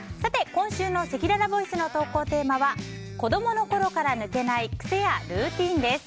今週のせきららボイスの投稿テーマは子供の頃から抜けない癖やルーティンです。